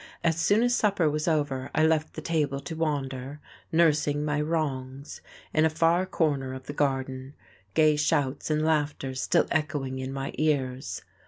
As soon as supper was over I left the table to wander, nursing my wrongs, in a far corner of the garden, gay shouts and laughter still echoing in my ears.